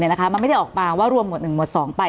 มันไม่ได้ออกมาว่ารวมหวด๑หมวด๒ไป